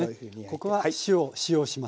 ここは塩を使用します。